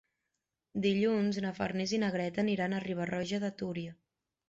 Dilluns na Farners i na Greta aniran a Riba-roja de Túria.